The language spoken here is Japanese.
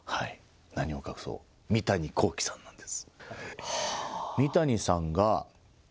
何を隠そう、三谷幸喜さんなんです。